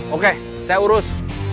oke saya urus